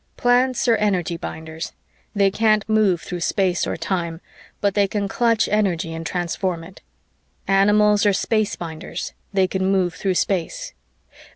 Plants are energy binders they can't move through space or time, but they can clutch energy and transform it. Animals are space binders they can move through space.